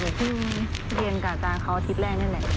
เพราะเหนือกูเรียนกับอาจารย์เขาอาทิตย์แรกนี่แหละ